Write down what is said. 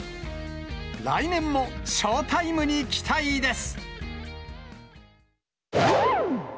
来年もショータイムに期待です。